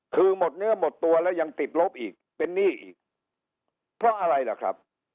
คือหมดเนื้อหมดตัวแล้วยังติดลบอีกเป็นหนี้อีกเพราะอะไรล่ะครับ